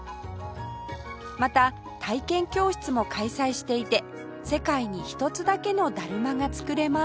また体験教室も開催していて世界に一つだけのだるまが作れます